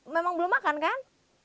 memang belum makan kan